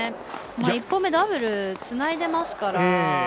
１本目、ダブルつないでますから。